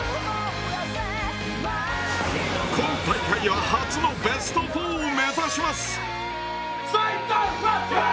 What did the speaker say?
今大会は初のベスト４を目指します。